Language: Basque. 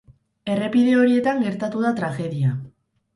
Errepide horietan gertatu da tragedia.